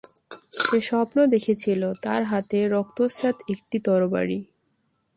সে স্বপ্ন দেখেছিল, তার হাতে রক্তস্নাত একটি তরবারি।